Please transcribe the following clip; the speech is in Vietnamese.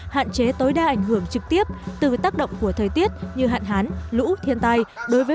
hạn chế tối đa ảnh hưởng trực tiếp từ tác động của thời tiết như hạn hán lũ thiên tai đối với